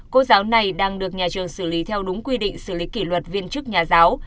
cô giáo này đang được nhà trường xử lý theo đúng quy định xử lý kỷ luật viên chức nhà giáo